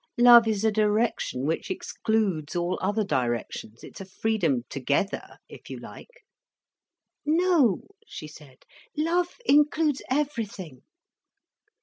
"Love is a direction which excludes all other directions. It's a freedom together, if you like." "No," she said, "love includes everything."